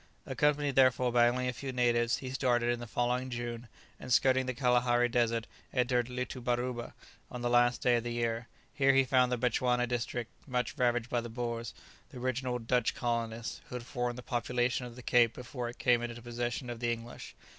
Accompanied, therefore, by only a few natives, he started in the following June, and skirting the Kalahari desert entered Litoubarouba on the last day of the year; here he found the Bechuana district much ravaged by the Boers, the original Dutch colonists, who had formed the population of the Cape before it came into the possession of the English.